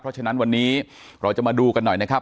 เพราะฉะนั้นวันนี้เราจะมาดูกันหน่อยนะครับ